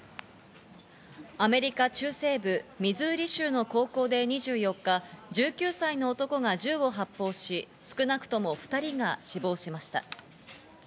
アメリカ中西部ミズ―リ州の高校で２４日、１９歳の男が銃を発砲し、少なくとも２人が死亡しました。